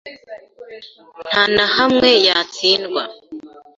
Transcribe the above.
nta na hamwe yatsindwa